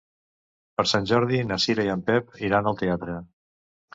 Per Sant Jordi na Cira i en Pep iran al teatre.